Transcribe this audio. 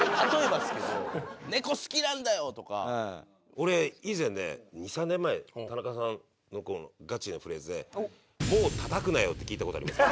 俺以前ね２３年前田中さんのガチのフレーズで「もう叩くなよ」って聞いた事あります。